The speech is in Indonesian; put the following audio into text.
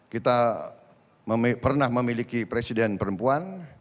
kita pernah memiliki presiden perempuan